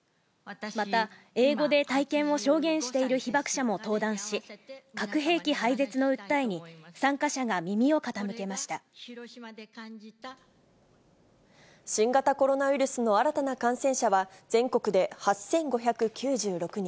また、英語で体験を証言している被爆者も登壇し、核兵器廃絶の訴えに、参加者が耳を傾けまし新型コロナウイルスの新たな感染者は、全国で８５９６人。